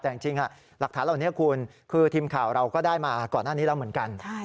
แต่จริงหลักฐานเหล่านี้คุณคือทีมข่าวเราก็ได้มาก่อนหน้านี้แล้วเหมือนกัน